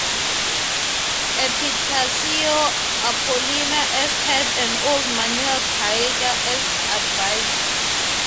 Epitacio Apolinar as head and Old Manuel Caeg as Adviser.